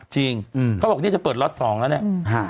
จริงเขาบอกนี่จะเปิดล็อต๒แล้วเนี่ย